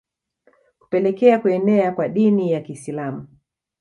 Kupelekea kuenea kwa Dini ya Kiislamu